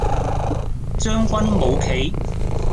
將軍冇棋